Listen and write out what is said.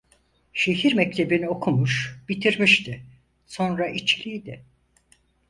Şehir mektebini okumuş, bitirmişti; sonra içliydi…